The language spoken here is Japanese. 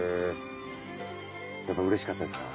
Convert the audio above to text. やっぱうれしかったですか？